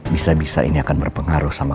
bisa bisa ini akan berpengaruh sama